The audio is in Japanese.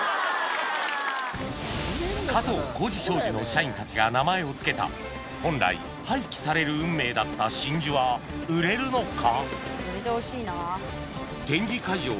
加藤浩次商事の社員たちが名前を付けた本来廃棄される運命だった真珠は売れるのか？